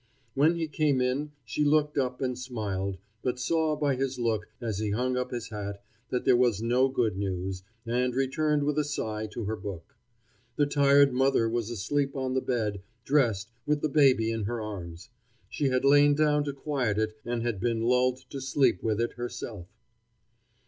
When he came in she looked up and smiled, but saw by his look, as he hung up his hat, that there was no good news, and returned with a sigh to her book. The tired mother was asleep on the bed, dressed, with the baby in her arms. She had lain down to quiet it and had been lulled to sleep with it herself.